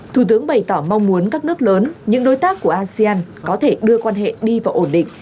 thủ tướng bày tỏ mong muốn các nước lớn những đối tác của asean có thể đưa quan hệ đi vào ổn định